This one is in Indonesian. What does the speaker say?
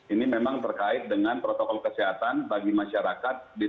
ini memang terkait dengan protokol kesehatan bagi masyarakat